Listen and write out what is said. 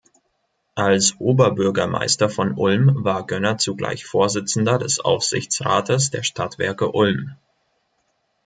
Als Oberbürgermeister von Ulm war Gönner zugleich Vorsitzender des Aufsichtsrates der Stadtwerke Ulm.